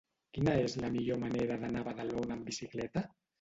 Quina és la millor manera d'anar a Badalona amb bicicleta?